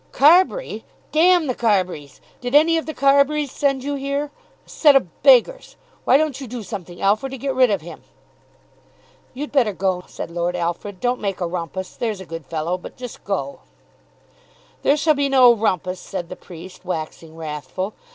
"Carbury! D the Carburys! Did any of the Carburys send you here? A set of beggars! Why don't you do something, Alfred, to get rid of him?" "You'd better go," said Lord Alfred. "Don't make a rumpus, there's a good fellow; but just go." "There shall be no rumpus," said the priest, waxing wrathful.